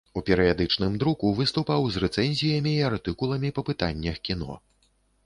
У перыядычным друку выступаў з рэцэнзіямі і артыкуламі па пытаннях кіно.